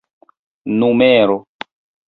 numero